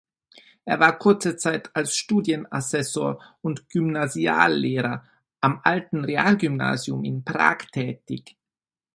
Er war kurze Zeit als Studienassessor und Gymnasiallehrer am Alten Realgymnasium in Prag tätig.